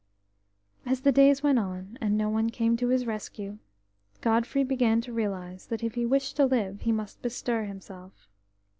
As the days went on, and no one came to his rescue, Godfrey began to realise that if he wished to live he must bestir himself.